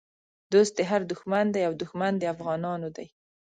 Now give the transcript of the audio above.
دوست د هر دښمن دی او دښمن د افغانانو دی